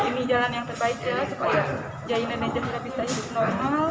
tapi semoga ini jalan yang terbaik ya supaya zain dan eza sudah bisa hidup normal